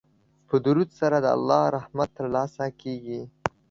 په درود سره د الله رحمت ترلاسه کیږي.